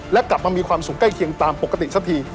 และกลับมามีความสุขใกล้เคียงตามปกติสักที